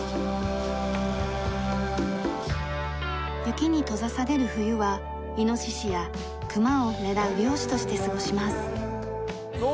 雪に閉ざされる冬はイノシシや熊を狙う猟師として過ごします。